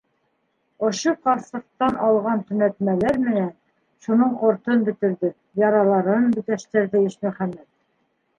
Ошо ҡарсыҡтан алған төнәтмәләр менән шуның ҡортон бөтөрҙө, яраларын бөтәштерҙе Ишмөхәмәт.